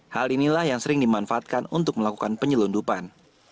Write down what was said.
hal inilah yang sering dimanfaatkan untuk melakukan penyelundupan